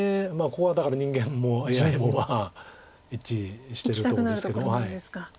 ここはだから人間もＡＩもまあ一致してるとこですけども。